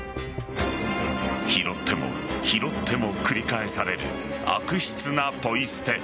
拾っても拾っても繰り返される悪質なポイ捨て